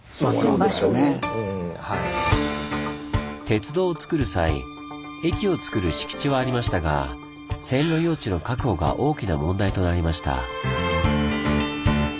鉄道をつくる際駅をつくる敷地はありましたが線路用地の確保が大きな問題となりました。